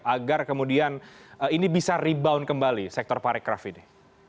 agar kemudian ini bisa rebound kembali sektor parekraf ini